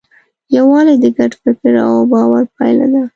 یووالی د ګډ فکر او باور پایله ده.